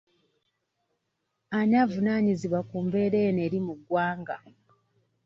Ani avunaanyizibwa ku mbeera eno eri mu ggwanga?